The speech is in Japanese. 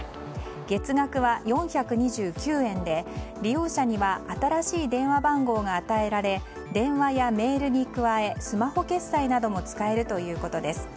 月額は４２９円で利用者には新しい電話番号が与えられ電話やメールに加えスマホ決済なども使えるということです。